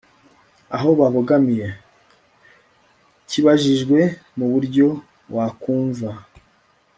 aho babogamiye. kibajijwe mu buryo wakumva